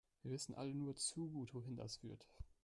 Wir wissen alle nur zu gut, wohin das führt.